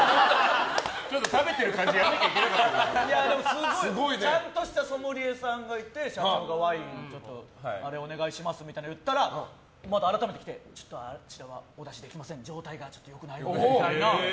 食べてる感じ、やらなきゃすごいちゃんとしたソムリエさんがいて社長がワイン、あれをお願いしますって言ったらまた改めて来てお出しできません状態が良くないのでみたいな。